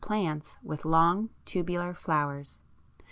] plants with long tubular flowers.